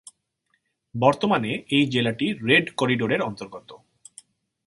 বর্তমানে এই জেলাটি রেড করিডোরের অন্তর্গত।